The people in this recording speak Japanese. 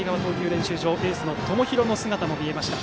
練習場にエース、友廣の姿も見えました。